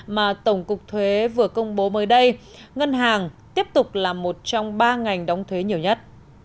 mà tổng cục thuế vừa công bố mới đây ngân hàng tiếp tục là một trong ba ngành đóng thuế nhiều nhất